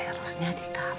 eros nya di kamar